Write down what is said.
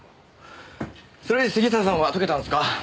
それより杉下さんは解けたんですか？